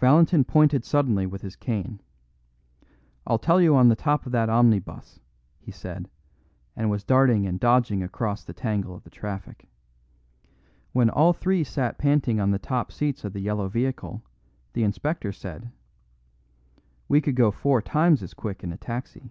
Valentin pointed suddenly with his cane. "I'll tell you on the top of that omnibus," he said, and was darting and dodging across the tangle of the traffic. When all three sank panting on the top seats of the yellow vehicle, the inspector said: "We could go four times as quick in a taxi."